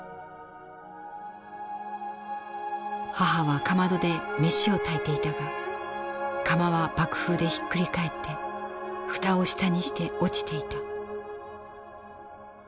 「母はかまどで飯を炊いていたが釜は爆風でひっくり返って蓋を下にして落ちていた。